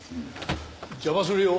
邪魔するよ。